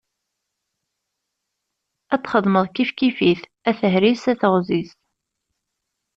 Ad t-txedmeḍ kif kif-it, a tehri-s, a teɣzi-s.